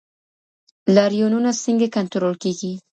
لاریونونه څنګه کنټرول کیږي؟